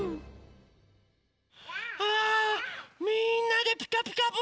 あみんなで「ピカピカブ！」